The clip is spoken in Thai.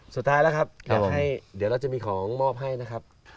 สุดท้ายแล้วครับอยากให้เดี๋ยวเราจะมีของมอบให้นะครับ